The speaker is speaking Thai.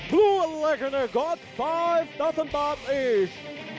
เบลูอัลเลคเนอร์ได้๕๐๐๐บาทอีก